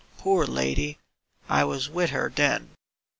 Poor lady I I was with her then.